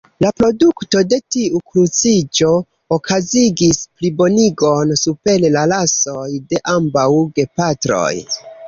La produkto de tiu kruciĝo okazigis plibonigon super la rasoj de ambaŭ gepatroj.